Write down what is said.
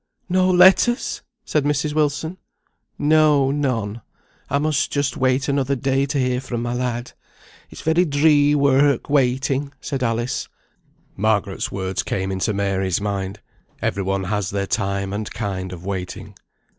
"No letters!" said Mrs. Wilson. "No, none! I must just wait another day to hear fra my lad. It's very dree work, waiting!" said Alice. Margaret's words came into Mary's mind. Every one has their time and kind of waiting.